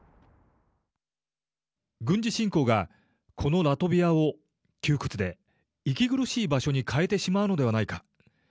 軍事侵攻がこのラトビアを窮屈で息苦しい場所に変えてしまうのではないか。